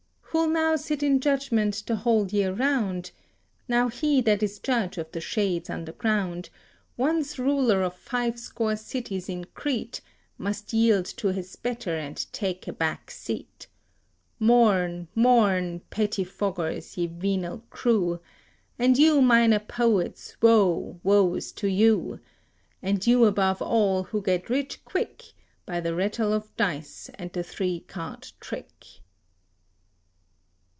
Who'll now sit in judgment the whole year round? Now he that is judge of the shades underground Once ruler of fivescore cities in Crete, Must yield to his better and take a back seat. Mourn, mourn, pettifoggers, ye venal crew, And you, minor poets, woe, woe is to you! And you above all, who get rich quick By the rattle of dice and the three card trick."